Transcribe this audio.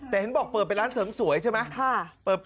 แต่เห็นบอกเปิดเป็นร้านเสริมสวยใช่ไหม